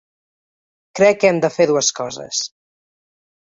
Crec que hem de fer dues coses.